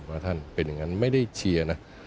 ว่าท่านเป็นอย่างนั้นไม่ได้เชียร์นะ